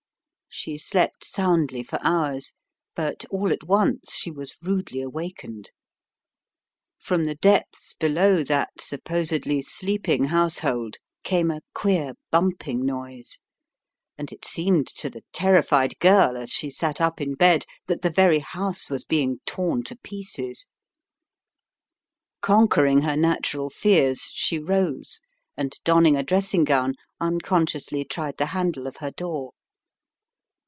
She slept soundly for hours, but all at once she was rudely awakened. From the depths below that supposedly sleeping household came a queer bumping noise, and it seemed to the terrified girl, as 72 The Riddle of the Purple Emperor she sat up in bed, that the very house was being torn to pieces. Conquering her natural fears she rose, and donning a dressing gown, unconsciously tried the handle of her door.